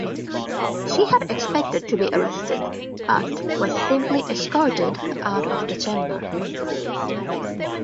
She had expected to be arrested but was simply escorted out of the chamber.